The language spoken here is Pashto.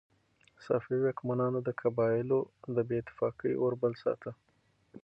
صفوي واکمنانو د قبایلو د بې اتفاقۍ اور بل ساته.